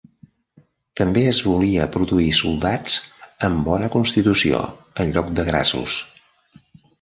També es volia produir soldats amb bona constitució en lloc de grassos.